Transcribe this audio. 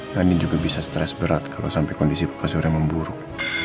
nani juga bisa stres berat kalau sampai kondisi papa surya memburuk